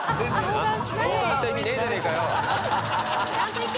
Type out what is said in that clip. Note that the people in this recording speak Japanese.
相談した意味ねえじゃねえか。